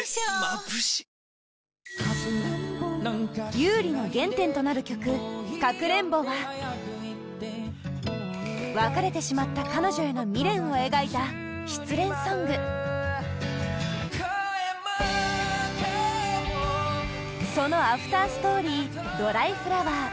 優里の原点となる曲「かくれんぼ」は別れてしまった彼女への未練を描いた失恋ソングそのアフターストーリー「ドライフラワー」